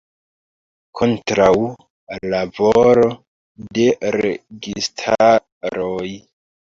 Kontraŭ la volo de registaroj.